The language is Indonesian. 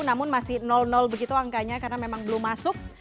namun masih begitu angkanya karena memang belum masuk